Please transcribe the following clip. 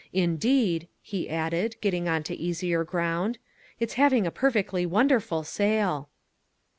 Indeed," he added, getting on to easier ground, "it's having a perfectly wonderful sale."